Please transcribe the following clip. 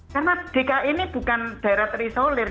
karena dki ini bukan daerah terisolir